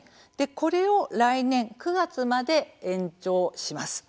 これを来年９月まで延長します。